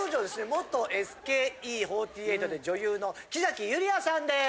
元ＳＫＥ４８で女優の木ゆりあさんです！